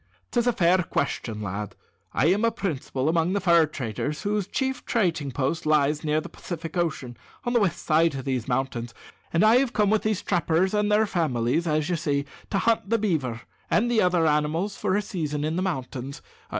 "'Tis a fair question, lad. I am a principal among the fur traders whose chief trading post lies near the Pacific Ocean, on the west side of these mountains; and I have come with these trappers and their families, as you see, to hunt the beaver and other animals for a season in the mountains.